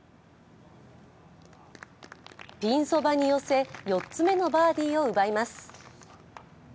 ピンそばに寄せ４つめのバーディーを奪います。